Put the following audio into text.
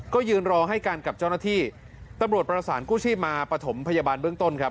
ก็ยืนรอให้กันกับเจ้าหน้าที่ตำรวจประสานกู้ชีพมาปฐมพยาบาลเบื้องต้นครับ